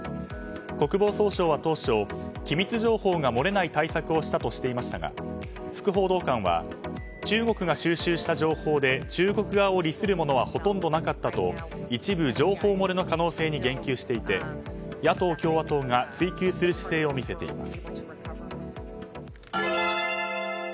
国防総省は当初機密情報が漏れない対策をしたとしていましたが副報道官は中国が収集した情報で中国側を利するものはほとんどなかったと一部情報漏れの可能性に言及していて野党・共和党が追及する姿勢を見せています。